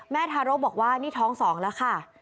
ทารกบอกว่านี่ท้อง๒แล้วค่ะ